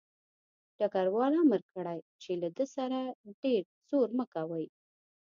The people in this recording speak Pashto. ډګروال امر کړی چې له ده سره ډېر زور مه کوئ